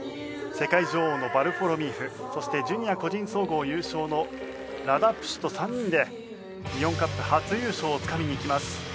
世界女王のヴァルフォロミーフそしてジュニア個人総合優勝のラダ・プシュと３人でイオンカップ初優勝をつかみにいきます。